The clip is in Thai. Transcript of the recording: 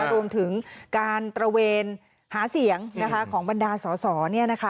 รวมถึงการตระเวนหาเสียงของบรรดาสอสอ